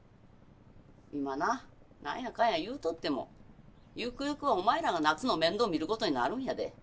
今な何やかや言うとってもゆくゆくはお前らがナツの面倒見る事になるんやで。